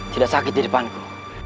tidak sakit di depanku